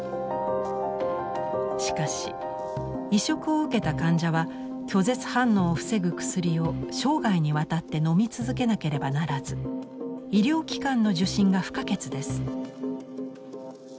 しかし移植を受けた患者は拒絶反応を防ぐ薬を生涯にわたってのみ続けなければならず医療機関の受診が不可欠です。